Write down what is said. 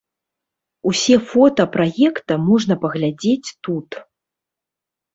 Усе фота праекта можна паглядзець тут.